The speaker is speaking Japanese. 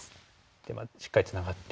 ではしっかりツナがって。